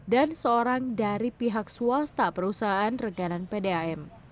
dan juga ketua dprd bandar masih